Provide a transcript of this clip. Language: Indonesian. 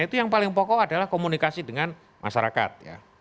itu yang paling pokok adalah komunikasi dengan masyarakat